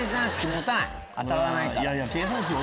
当たらないから。